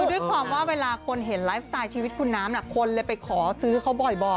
คือด้วยความว่าเวลาคนเห็นไลฟ์สไตล์ชีวิตคุณน้ำคนเลยไปขอซื้อเขาบ่อย